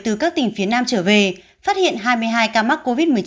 từ các tỉnh phía nam trở về phát hiện hai mươi hai ca mắc covid một mươi chín